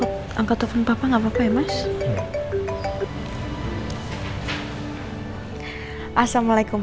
bagaimana dia bisa jadi bisa berkata